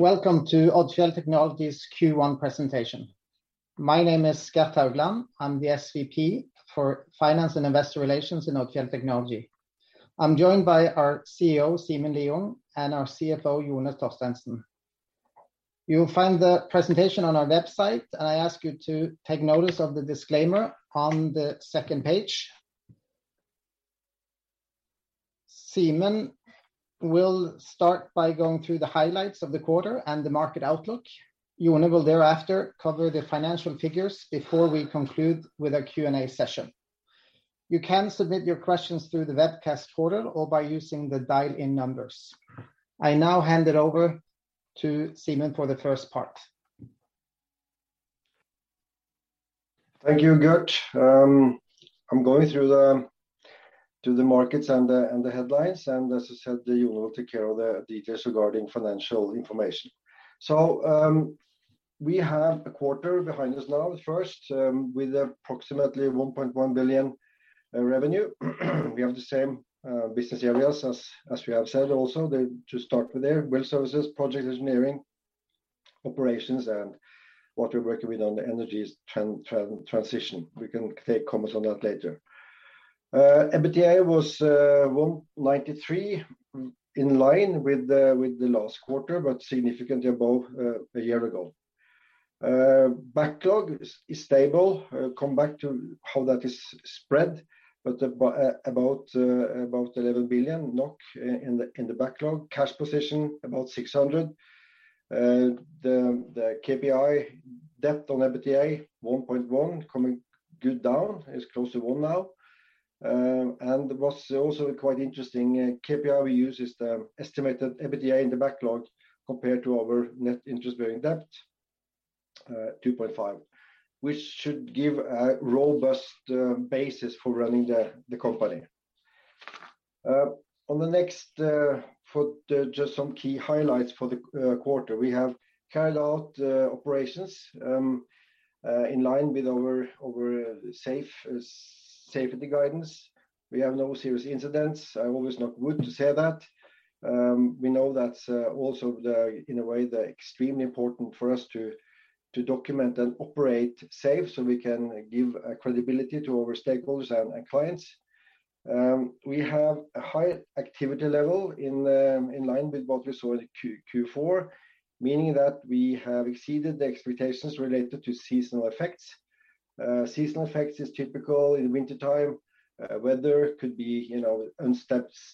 Welcome to Odfjell Technology's Q1 presentation. My name is Gert Haugland. I'm the SVP for Finance and Investor Relations in Odfjell Technology. I'm joined by our CEO, Simen Lieungh, and our CFO, Jone Torstensen. You'll find the presentation on our website. I ask you to take notice of the disclaimer on the second page. Simen will start by going through the highlights of the quarter and the market outlook. Jone will thereafter cover the financial figures before we conclude with a Q&A session. You can submit your questions through the webcast portal or by using the dial-in numbers. I now hand it over to Simen for the first part. Thank you, Gert. I'm going through the markets and the headlines. As I said, Jone will take care of the details regarding financial information. We have a quarter behind us now. First, with approximately 1.1 billion revenue. We have the same business areas as we have said also. To start with the well services, project engineering, operations, and what we're working with on the energy transition. We can take comments on that later. EBITDA was 193 million, in line with the last quarter, but significantly above a year ago. Backlog is stable. Come back to how that is spread, but about 11 billion NOK in the backlog. Cash position, about 600 million. The KPI debt on EBITDA, 1.1, coming good down. It's close to one now. What's also quite interesting, KPI we use is the estimated EBITDA in the backlog compared to our net interest-bearing debt, 2.5, which should give a robust basis for running the company. On the next, for the just some key highlights for the quarter. We have carried out operations in line with our safe safety guidance. We have no serious incidents. I'm always not good to say that. We know that's also the, in a way, the extremely important for us to document and operate safe so we can give credibility to our stakeholders and clients. We have a high activity level in line with what we saw in Q4, meaning that we have exceeded the expectations related to seasonal effects. Seasonal effects is typical in wintertime. Weather could be, you know,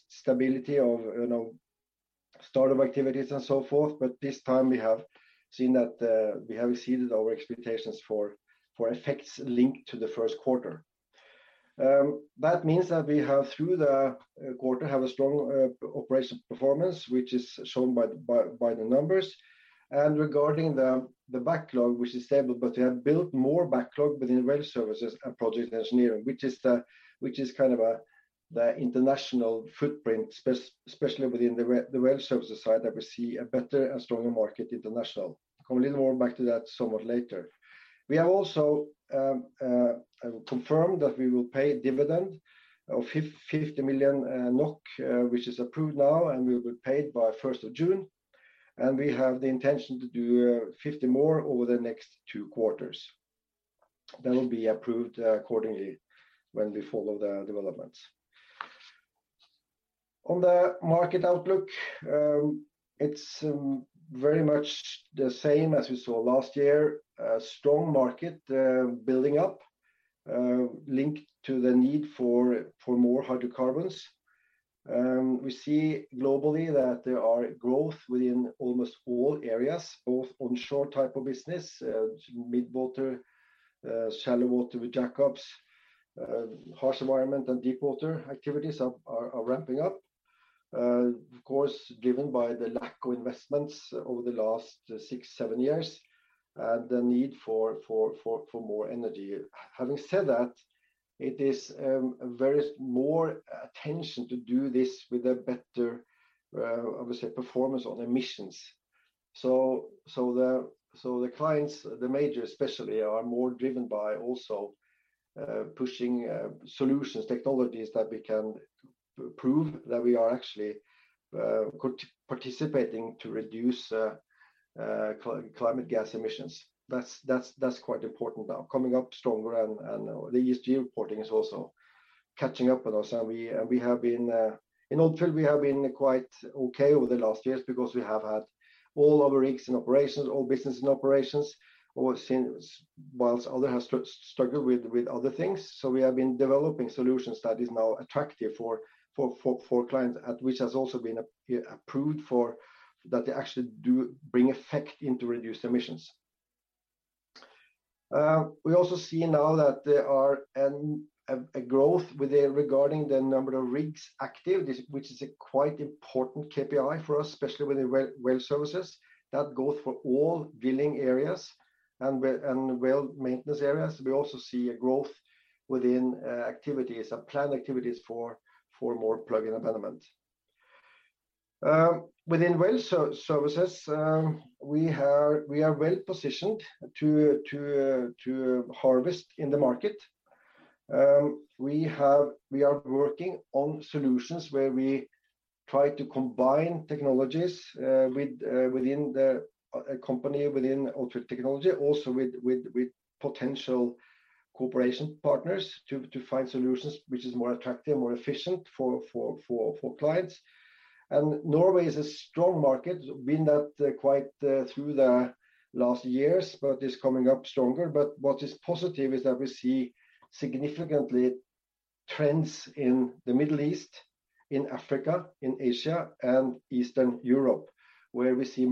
stability of, you know, start of activities and so forth. This time we have seen that we have exceeded our expectations for effects linked to the first quarter. That means that we have, through the quarter, have a strong operation performance, which is shown by the numbers. Regarding the backlog, which is stable, but we have built more backlog within well services and project engineering, which is kind of a, the international footprint, especially within the well services side that we see a better and stronger market international. Come a little more back to that somewhat later. We have also confirmed that we will pay dividend of 50 million NOK, which is approved now, will be paid by June 1st. We have the intention to do 50 more over the next two quarters. That will be approved accordingly when we follow the developments. On the market outlook, it's very much the same as we saw last year. A strong market building up linked to the need for more hydrocarbons. We see globally that there are growth within almost all areas, both onshore type of business, mid-water, shallow water with jackups, harsh environment and deep water activities are ramping up. Of course, driven by the lack of investments over the last six, seven years, the need for more energy. Having said that, it is very more attention to do this with a better, obviously, performance on emissions. The clients, the major especially, are more driven by also pushing solutions, technologies that we can prove that we are actually part-participating to reduce climate gas emissions. That's quite important now. Coming up stronger and the ESG reporting is also catching up with us. We have been in Odfjell we have been quite okay over the last years because we have had all our rigs in operations, all business in operations, or since, whilst others have struggled with other things. We have been developing solutions that is now attractive for clients at which has also been approved for that they actually do bring effect into reduced emissions. We also see now that there are a growth with the regarding the number of rigs active, which is a quite important KPI for us, especially with well services. That goes for all drilling areas and well maintenance areas. We also see a growth within activities and planned activities for more plug and abandonment. Within well services, we are well positioned to harvest in the market. We have...We are working on solutions where we try to combine technologies within the company, within Odfjell Technology, also with potential cooperation partners to find solutions which is more attractive, more efficient for clients. Norway is a strong market, been that quite through the last years but is coming up stronger. What is positive is that we see significantly trends in the Middle East, in Africa, in Asia and Eastern Europe, where we see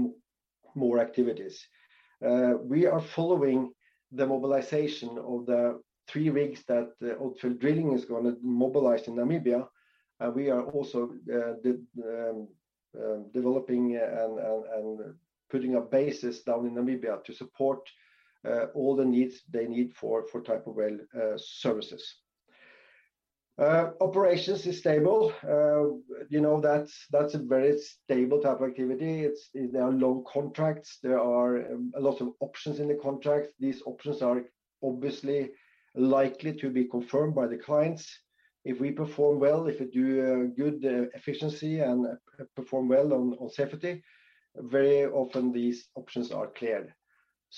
more activities. We are following the mobilization of the three rigs that Odfjell Drilling is gonna mobilize in Namibia. We are also developing and putting up bases down in Namibia to support all the needs they need for type of well services. Operations is stable. You know, that's a very stable type of activity. There are long contracts. There are a lot of options in the contracts. These options are obviously likely to be confirmed by the clients. If we perform well, if we do good efficiency and perform well on safety, very often these options are cleared.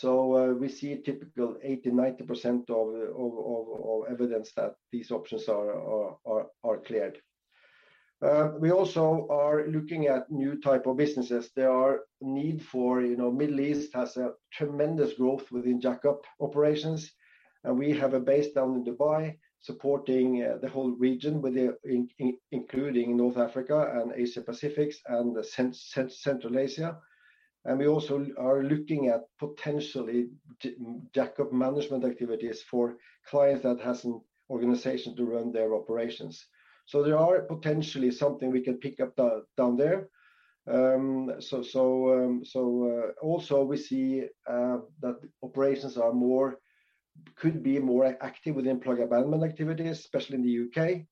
We see a typical 80%-90% of evidence that these options are cleared. We also are looking at new type of businesses. There are need for, you know, Middle East has a tremendous growth within jackup operations. We have a base down in Dubai supporting the whole region including North Africa and Asia Pacific and Central Asia. We also are looking at potentially jackup management activities for clients that hasn't organization to run their operations. There are potentially something we can pick up down there. Also we see that operations are more, could be more active within plug abandonment activities, especially in the U.K..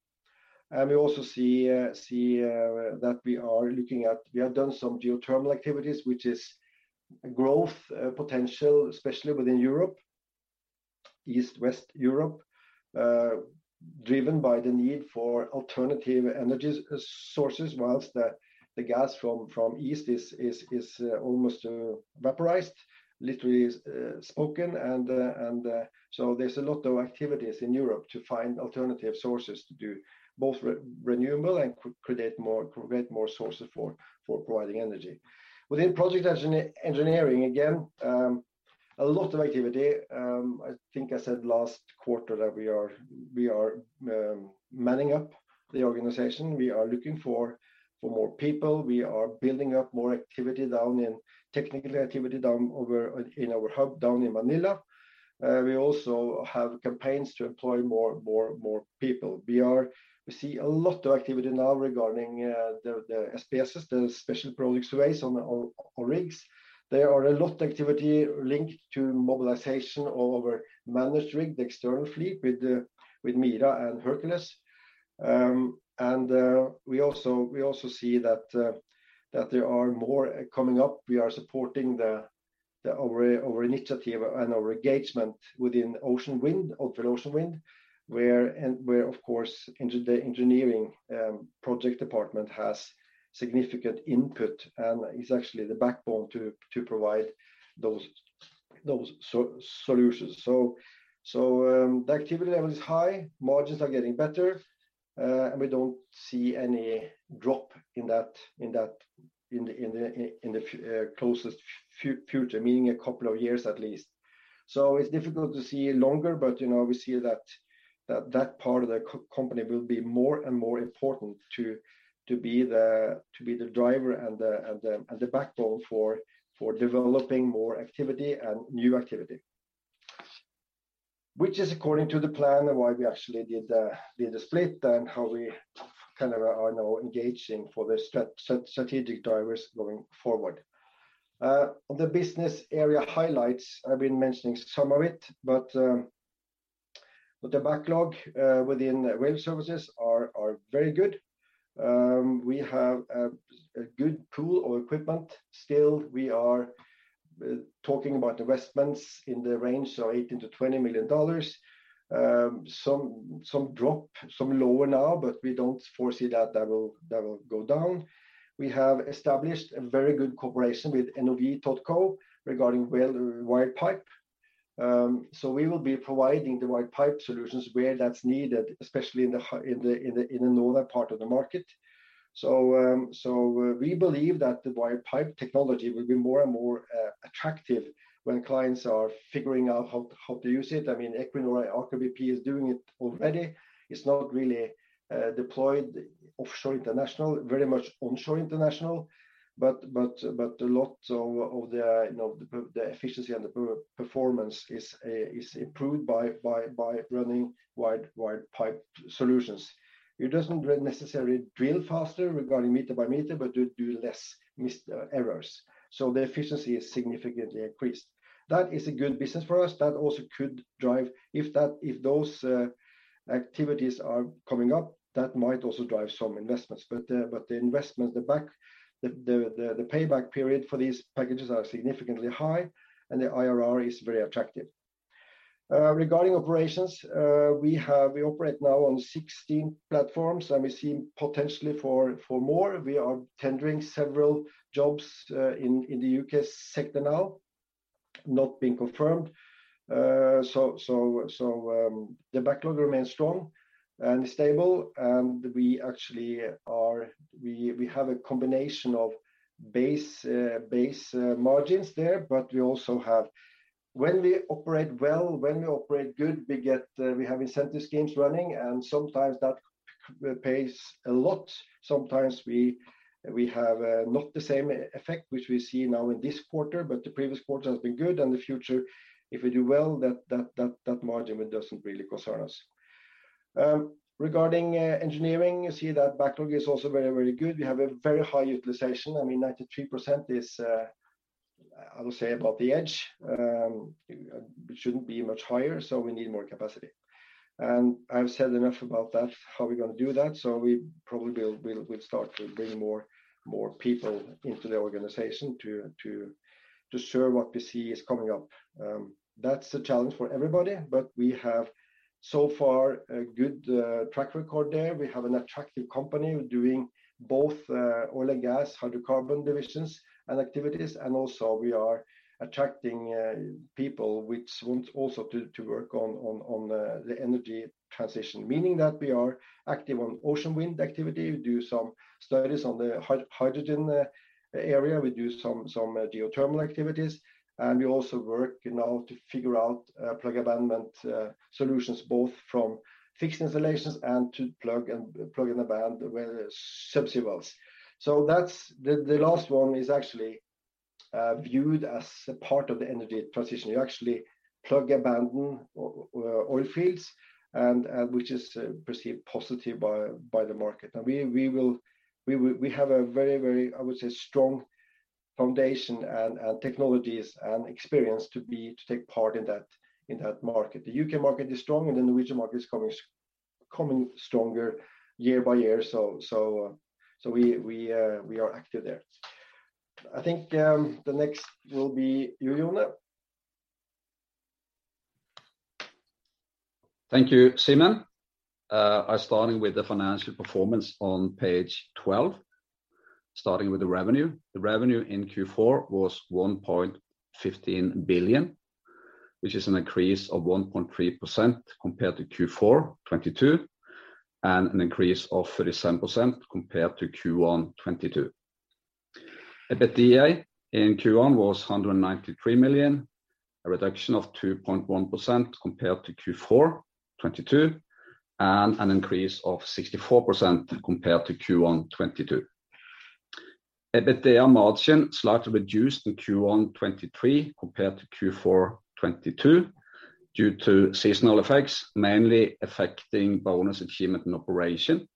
We also see that we are looking at... We have done some geothermal activities, which is growth potential, especially within Europe, East, West Europe, driven by the need for alternative energies sources whilst the gas from East is almost vaporized, literally spoken. There's a lot of activities in Europe to find alternative sources to do both renewable and create more sources for providing energy. Within project engineering, again, a lot of activity. I think I said last quarter that we are manning up the organization. We are looking for more people. We are building up more activity down in, technical activity down over in our hub down in Manila. We also have campaigns to employ more people. We see a lot of activity now regarding the SPSs, the special projects surveys on rigs. There are a lot activity linked to mobilization of our managed rig, the external fleet with Mira and Hercules. We also see that there are more coming up. We are supporting the. Our initiative and our engagement within ocean wind, Odfjell Oceanwind, where, and where of course, the engineering project department has significant input and is actually the backbone to provide those solutions. The activity level is high, margins are getting better, and we don't see any drop in that in the closest future, meaning a couple of years at least. It's difficult to see longer, but you know, we see that part of the company will be more and more important to be the driver and the backbone for developing more activity and new activity. Which is according to the plan and why we actually did the split and how we kind of are now engaging for the strategic drivers going forward. The business area highlights, I've been mentioning some of it, but the backlog within well services are very good. We have a good pool of equipment still. We are talking about investments in the range of $18 million-$20 million. Some drop, some lower now, but we don't foresee that will go down. We have established a very good cooperation with NOV Totco wired drill pipe. we will be providing wired drill pipe solutions where that's needed, especially in the northern part of the market. We believe that wired drill pipe technology will be more and more attractive when clients are figuring out how to use it. I mean, Equinor and Aker BP is doing it already. It's not really deployed offshore international, very much onshore international. A lot of, you know, the efficiency and the performance is improved by wired drill pipe solutions. It doesn't necessarily drill faster regarding meter by meter, but do less errors. The efficiency is significantly increased. That is a good business for us. That also could drive. If those activities are coming up, that might also drive some investments. The investments, the payback period for these packages are significantly high, and the IRR is very attractive. Regarding operations, we operate now on 16 platforms and we see potentially for more. We are tendering several jobs in the U.K. sector now, not being confirmed. The backlog remains strong and stable, and we actually have a combination of base margins there, but we also have. When we operate well, when we operate good, we get, we have incentive schemes running, and sometimes that pays a lot. Sometimes we have not the same effect which we see now in this quarter, but the previous quarter has been good. The future, if we do well, that margin doesn't really concern us. Regarding engineering, you see that backlog is also very, very good. We have a very high utilization. I mean, 93% is, I will say about the edge. It shouldn't be much higher, we need more capacity. I've said enough about that, how we're gonna do that. We probably will start to bring more people into the organization to serve what we see is coming up. That's a challenge for everybody. We have so far a good track record there. We have an attractive company. We're doing both oil and gas, hydrocarbon divisions and activities. Also we are attracting people which want also to work on the energy transition. Meaning that we are active on ocean wind activity. We do some studies on the hydrogen area. We do some geothermal activities. We also work now to figure out plug abandonment solutions, both from fixed installations and to plug and abandon where subsea wells. The last one is actually viewed as a part of the energy transition. You actually plug abandon oil fields and which is perceived positive by the market. We have a very strong foundation and technologies and experience to take part in that market. The U.K. market is strong and the Norwegian market is coming stronger year by year, so we are active there. I think the next will be you, Jone. Thank you, Simen. I'm starting with the financial performance on page 12. Starting with the revenue. The revenue in Q4 was 1.15 billion, which is an increase of 1.3% compared to Q4 2022, and an increase of 37% compared to Q1 2022. EBITDA in Q1 was 193 million, a reduction of 2.1% compared to Q4 2022, and an increase of 64% compared to Q1 2022. EBITDA margin slightly reduced in Q1 2023 compared to Q4 2022 due to seasonal effects, mainly affecting bonus achievement and operation.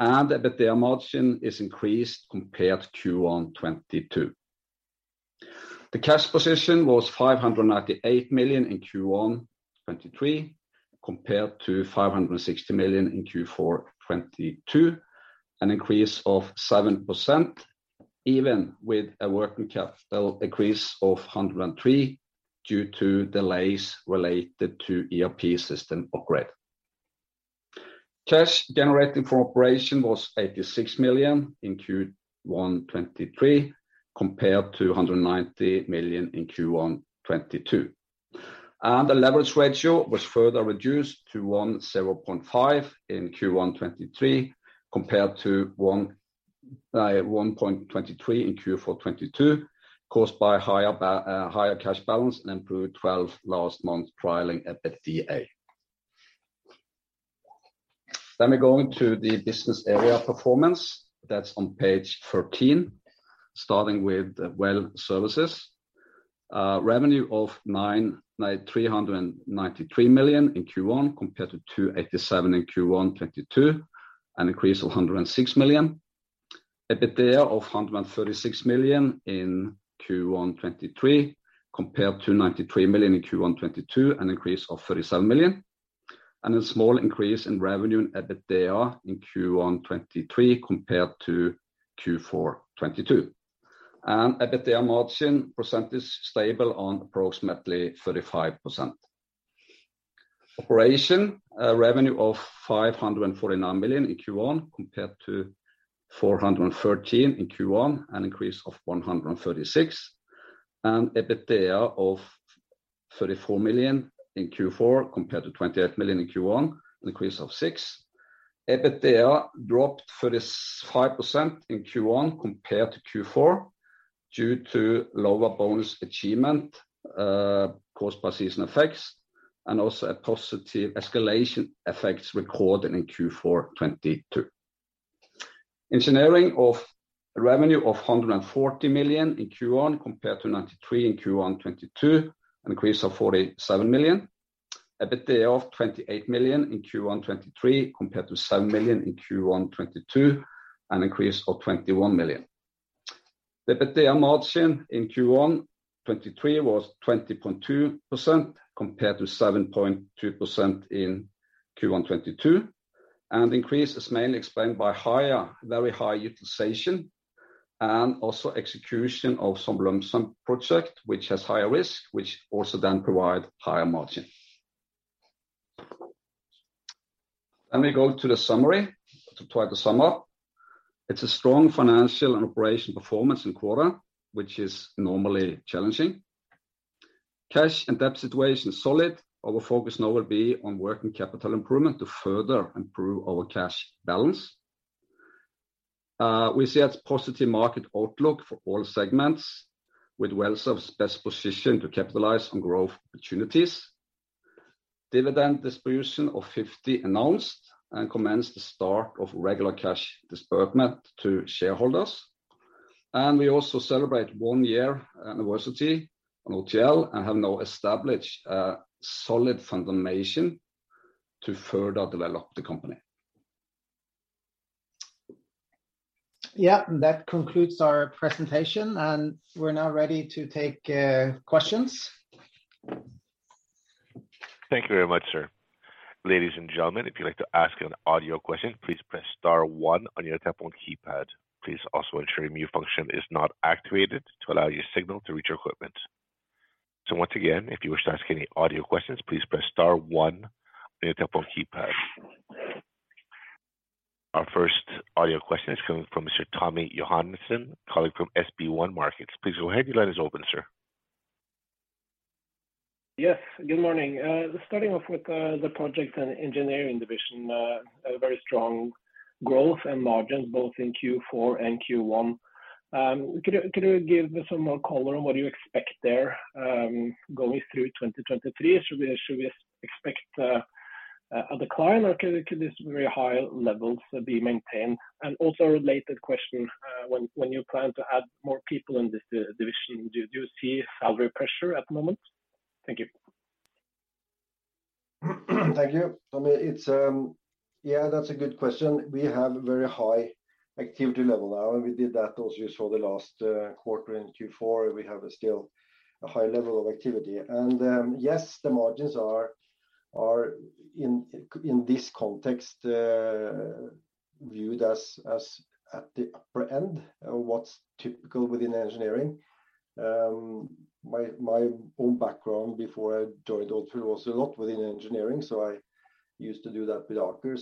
EBITDA margin is increased compared to Q1 2022. The cash position was 598 million in Q1 2023 compared to 560 million in Q4 2022, an increase of 7% even with a working capital increase of 103 million due to delays related to ERP system upgrade. Cash generating from operation was 86 million in Q1 2023 compared to 190 million in Q1 2022. The leverage ratio was further reduced to 1.05 in Q1 2023 compared to 1.23 in Q4 2022, caused by higher cash balance and improved 12 last month trialing EBITDA. We go into the business area performance. That's on page 13. Starting with well services. Revenue of 393 million in Q1 compared to 287 million in Q1 2022, an increase of 106 million. EBITDA of 136 million in Q1 2023 compared to 93 million in Q1 2022, an increase of 37 million. A small increase in revenue and EBITDA in Q1 2023 compared to Q4 2022. EBITDA margin percentage stable on approximately 35%. Operation, a revenue of 549 million in Q1 compared to 413 in Q1, an increase of 136 million. EBITDA of 34 million in Q4 compared to 28 million in Q1, an increase of 6 million. EBITDA dropped 35% in Q1 compared to Q4 due to lower bonus achievement, caused by season effects and also positive escalation effects recorded in Q4 2022. Engineering of... Revenue of 140 million in Q1 compared to 93 in Q1 2022, an increase of 47 million. EBITDA of 28 million in Q1 2023 compared to 7 million in Q1 2022, an increase of 21 million. The EBITDA margin in Q1 2023 was 20.2% compared to 7.2% in Q1 2022, and increase is mainly explained by higher, very high utilization. Also execution of some lump sum project, which has higher risk, which also then provide higher margin. Let me go to the summary to try to sum up. It's a strong financial and operation performance in quarter, which is normally challenging. Cash and debt situation solid. Our focus now will be on working capital improvement to further improve our cash balance. We see as positive market outlook for all segments with well services best positioned to capitalize on growth opportunities. Dividend distribution of 50 announced and commence the start of regular cash disbursement to shareholders. We also celebrate one year anniversary on OTL and have now established a solid foundation to further develop the company. Yeah. That concludes our presentation, and we're now ready to take questions. Thank you very much, sir. Ladies and gentlemen, if you'd like to ask an audio question, please press star one on your telephone keypad. Please also ensure mute function is not activated to allow your signal to reach your equipment. Once again, if you wish to ask any audio questions, please press star one on your telephone keypad. Our first audio question is coming from Mr. Tommy Johannessen, calling from SB1 Markets. Please go ahead. Your line is open, sir. Yes, good morning. Just starting off with the projects and engineering division. A very strong growth and margins both in Q4 and Q1. Could you give some more color on what you expect there, going through 2023? Should we expect a decline or could this very high levels be maintained? Also a related question, when you plan to add more people in this division, do you see salary pressure at the moment? Thank you. Thank you. I mean, it's. That's a good question. We have very high activity level now. We did that also for the last quarter in Q4. We have still a high level of activity. Yes, the margins are in this context viewed as at the upper end of what's typical within engineering. My own background before I joined Odfjell was a lot within engineering. I used to do that with Aker.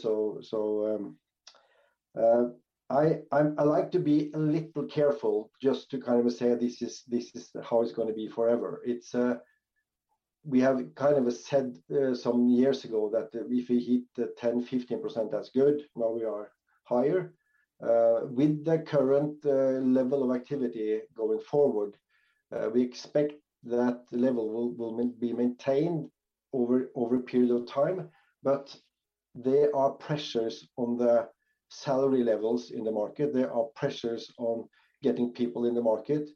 I like to be a little careful just to kind of say this is how it's going to be forever. We have kind of said some years ago that if we hit 10%, 15%, that's good. Now we are higher. With the current level of activity going forward, we expect that level will be maintained over a period of time. There are pressures on the salary levels in the market. There are pressures on getting people in the only market.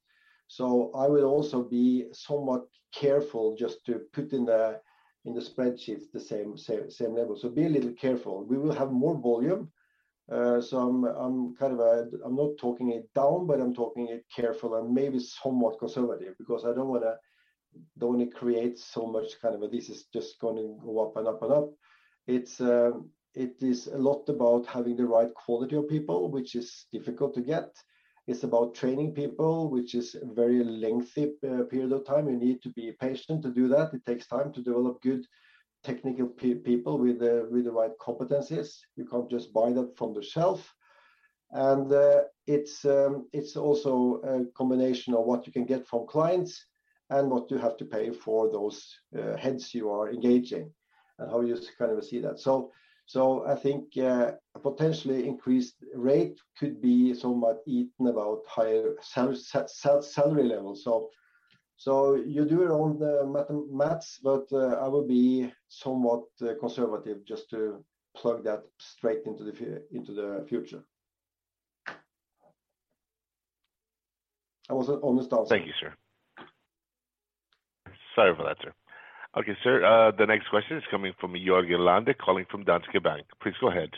I will also be somewhat careful just to put in the, in the spreadsheets the same level. Be a little careful. We will have more volume. I'm kind of, I'm not talking it down, but I'm talking it careful and maybe somewhat conservative because I don't want to create so much kind of this is just going to go up and up and up. It's, it is a lot about having the right quality of people, which is difficult to get. It's about training people, which is a very lengthy period of time. You need to be patient to do that. It takes time to develop good technical people with the, with the right competencies. You can't just buy that from the shelf. It's also a combination of what you can get from clients and what you have to pay for those heads you are engaging and how you kind of see that. I think, a potentially increased rate could be somewhat eaten about higher salary levels. You do your own maths, but I will be somewhat conservative just to plug that straight into the future. I was on the start- Thank you, sir. Sorry for that, sir. Okay, sir, the next question is coming from Jørgen Lande calling from Danske Bank. Please go ahead.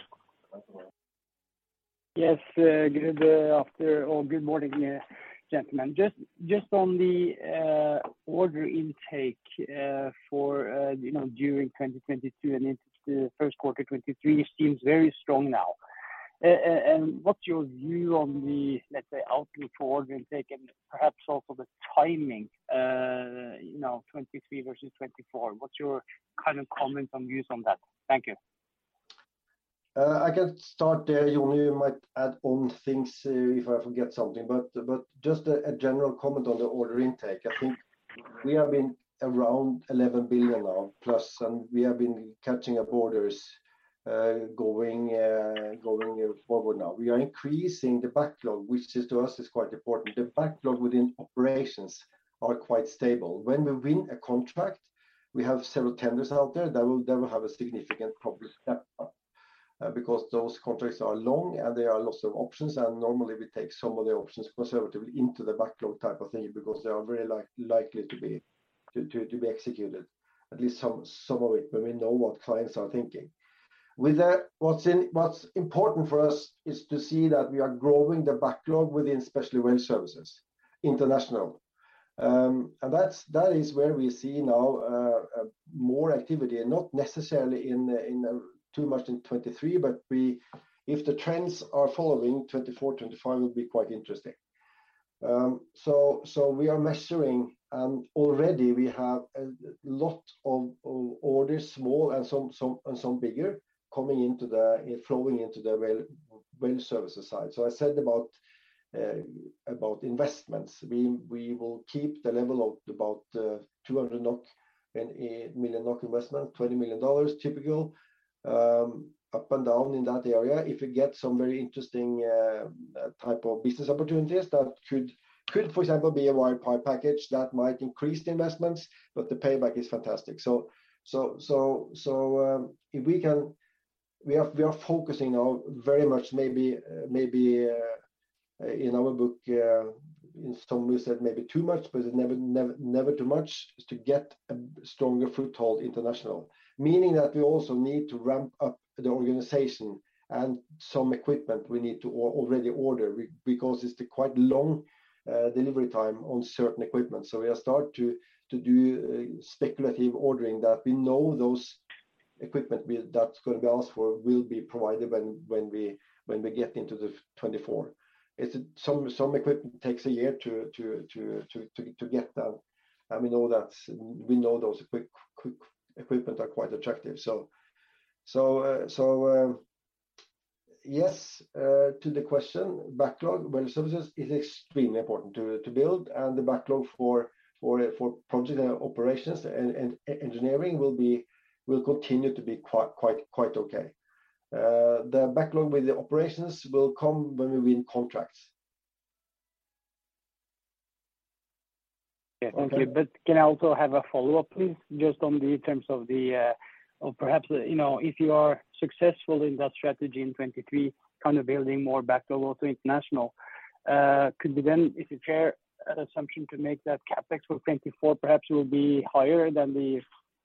Yes, good afternoon or good morning, gentlemen. Just on the order intake for, you know, during 2022 and into the first quarter 2023, it seems very strong now. What's your view on the, let's say, outlook for order intake and perhaps also the timing, you know, 2023 versus 2024? What's your kind of comment and views on that? Thank you. I can start there. Jone you might add on things if I forget something. Just a general comment on the order intake. I think we have been around 11 billion now, plus, and we have been catching up orders, going forward now. We are increasing the backlog, which is to us is quite important. The backlog within operations are quite stable. When we win a contract, we have several tenders out there that will have a significant probably step up, because those contracts are long and there are lots of options. Normally we take some of the options conservatively into the backlog type of thing because they are very likely to be executed, at least some of it, when we know what clients are thinking. With that, what's important for us is to see that we are growing the backlog within especially well services International. That's, that is where we see now more activity, not necessarily in too much in 2023, but if the trends are following, 2024, 2025 will be quite interesting. So we are measuring, already we have a lot of orders, small and some, and some bigger flowing into the well services side. I said about investments, we will keep the level of about 200 million NOK investment, $20 million typical, up and down in that area. If you get some very interesting type of business opportunities that could, for example, be a wire pipe package that might increase the investments, but the payback is fantastic. If we can, we are focusing on very much maybe, in our book, in some we said maybe too much, but it never too much, is to get a stronger foothold internationally. Meaning that we also need to ramp up the organization and some equipment we need to already order because it's a quite long delivery time on certain equipment. We are start to do speculative ordering that we know those equipment that's gonna be asked for will be provided when we get into 2024. It's some equipment takes a year to get that. We know those quick equipment are quite attractive. Yes, to the question, backlog, well services is extremely important to build and the backlog for project operations and engineering will continue to be quite okay. The backlog with the operations will come when we win contracts. Okay. Can I also have a follow-up, please? Just on the terms of the, or perhaps, you know, if you are successful in that strategy in 2023, kind of building more backlog or to international, could we then, is it fair assumption to make that CapEx for 2024 perhaps will be higher than the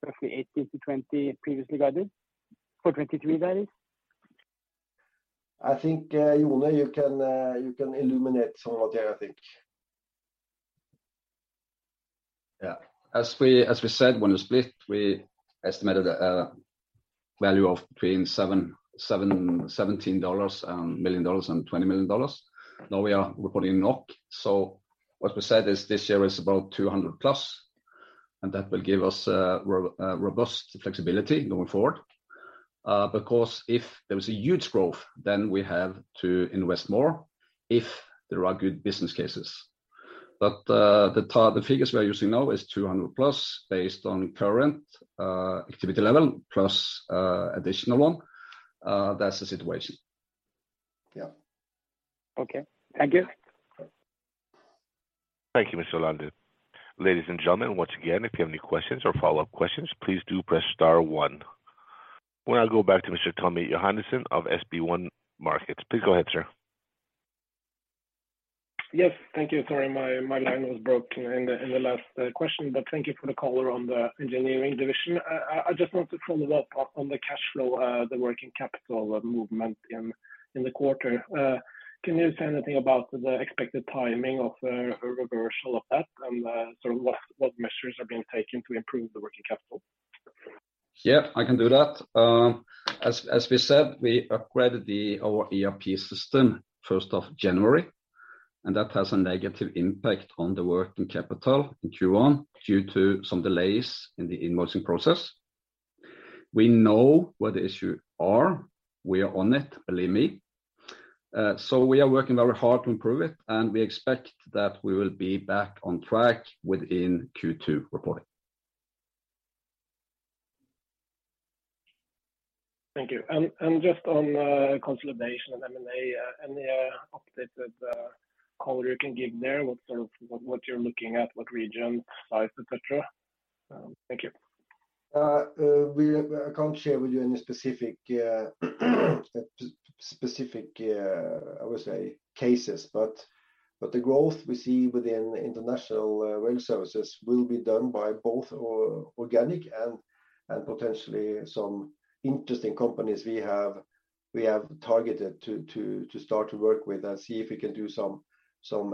roughly $80 million-$20 million previously guided for 2023 guidance? I think, Jone, you can illuminate some of that, I think. Yeah. As we said, when we split, we estimated a value of between $17 million and $20 million. Now we are reporting NOK. What we said is this year is about 200+, and that will give us robust flexibility going forward. Because if there is a huge growth, then we have to invest more if there are good business cases. The figures we are using now is 200+ based on current activity level plus additional one. That's the situation. Yeah. Okay. Thank you. Thank you, Mr. Lande. Ladies and gentlemen, once again, if you have any questions or follow-up questions, please do press star one. We'll now go back to Mr. Tommy Johannessen of SB1 Markets. Please go ahead, sir. Yes. Thank you. Sorry, my line was broken in the last question, but thank you for the color on the engineering division. I just wanted to follow up on the cash flow, the working capital movement in the quarter. Can you say anything about the expected timing of a reversal of that and sort of what measures are being taken to improve the working capital? Yeah, I can do that. As we said, we upgraded our ERP system first of January, and that has a negative impact on the working capital in Q1 due to some delays in the invoicing process. We know what the issue are. We are on it, believe me. We are working very hard to improve it, and we expect that we will be back on track within Q2 reporting. Thank you. Just on consolidation of M&A, any updated color you can give there? What sort of, what you're looking at, what region, size, etc.. Thank you. I can't share with you any specific, I would say, cases. The growth we see within international, well services will be done by both organic and potentially some interesting companies we have targeted to start to work with and see if we can do some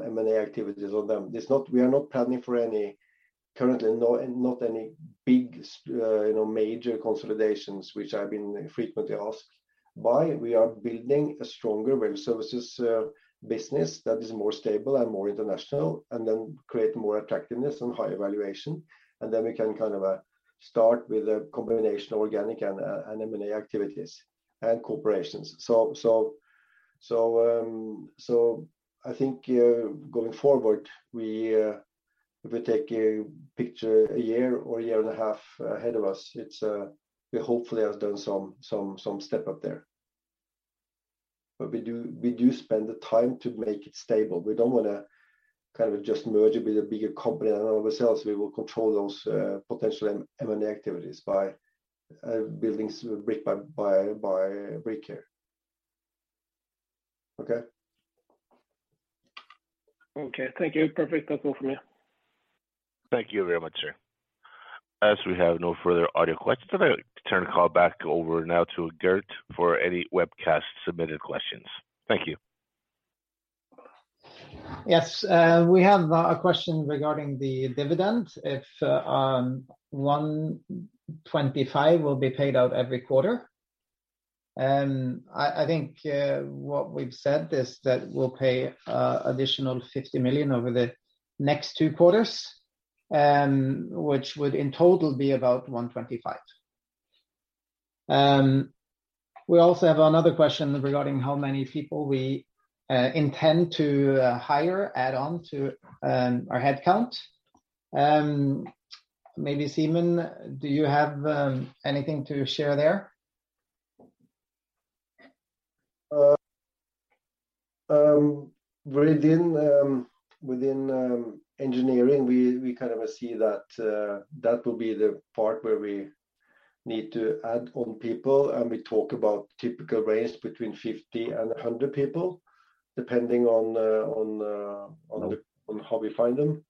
M&A activities on them. We are not planning for any currently, no, not any big, you know, major consolidations which I've been frequently asked by. We are building a stronger well services business that is more stable and more international, and create more attractiveness and higher valuation. We can kind of, start with a combination of organic and M&A activities and cooperations. I think, going forward, we, if we take a picture a year or a year and a half ahead of us, it's, we hopefully have done some step up there. We do spend the time to make it stable. We don't wanna kind of just merge it with a bigger company and all of the sales, we will control those, potential M&A activities by building brick by brick here. Okay? Okay. Thank you. Perfect. That's all from me. Thank you very much, sir. As we have no further audio questions, I will turn the call back over now to Gert for any webcast submitted questions. Thank you. Yes, we have a question regarding the dividend, if, 1.25 will be paid out every quarter. I think, what we've said is that we'll pay additional 50 million over the next two quarters, which would in total be about 125. We also have another question regarding how many people we intend to hire add on to our headcount. Maybe Simen, do you have anything to share there? Within engineering, we kind of see that that will be the part where we need to add on people, and we talk about typical range between 50 and 100 people, depending on the. Okay. on how we find them.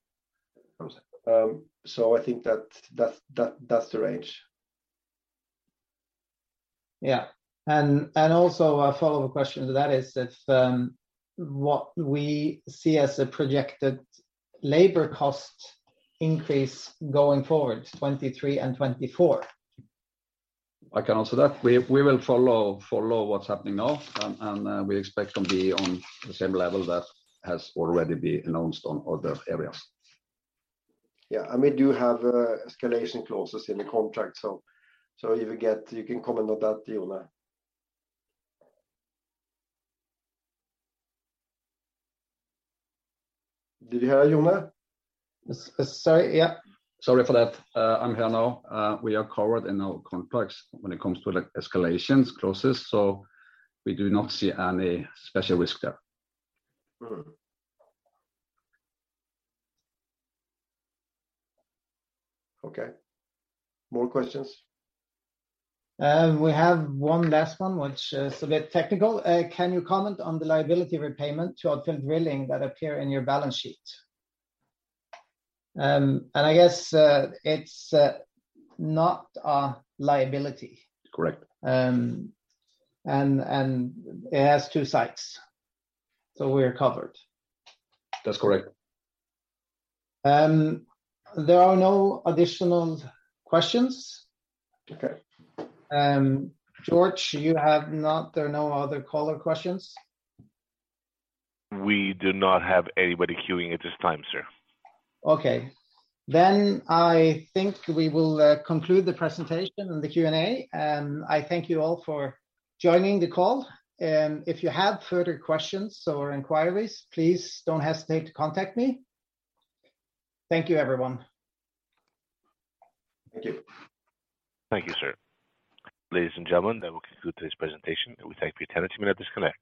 I think that's the range. Yeah. Also a follow-up question to that is if, what we see as a projected labor cost increase going forward, 2023 and 2024. I can answer that. We will follow what's happening now, and we expect to be on the same level that has already been announced on other areas. Yeah. We do have escalation clauses in the contract, so you can comment on that, Jone. Did you hear, Jone? Sorry, yeah. Sorry for that. I'm here now. We are covered in our contracts when it comes to, like, escalations clauses, so we do not see any special risk there. Mm-hmm. Okay. More questions? We have one last one, which is a bit technical. Can you comment on the liability repayment to Odfjell Drilling that appear in your balance sheet? I guess, it's not a liability. Correct. It has two sites, so we are covered. That's correct. There are no additional questions. Okay. George, There are no other caller questions? We do not have anybody queuing at this time, sir. I think we will conclude the presentation and the Q&A. I thank you all for joining the call. If you have further questions or inquiries, please don't hesitate to contact me. Thank you, everyone. Thank you. Thank you, sir. Ladies and gentlemen, that will conclude today's presentation. We thank you for your attendance. You may disconnect.